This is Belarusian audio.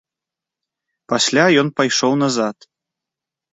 Пасля ён пайшоў назад.